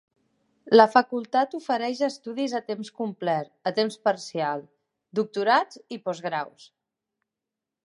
La Facultat ofereix estudis a temps complert, a temps parcial, doctorats i postgraus.